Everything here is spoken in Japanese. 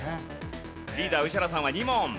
リーダー宇治原さんは２問。